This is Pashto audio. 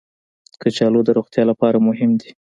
کچالو د روغتیا لپاره مهم دي